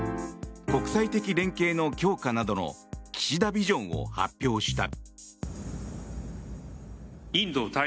国際的連携の強化などの岸田ビジョンを発表した。